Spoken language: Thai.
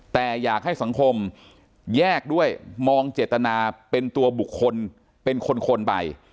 แต่อยากให้สังคมแยกด้วยมองเจตนาเป็นตัวบุคคลเป็นคนไป